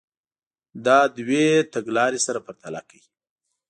دا دوې تګ لارې سره پرتله کړئ.